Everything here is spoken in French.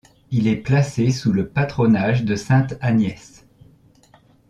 Il est placé sous le patronage de sainte Agnès.